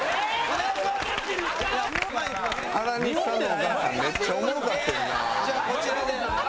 「原西さんのお母さんめっちゃおもろかってんな」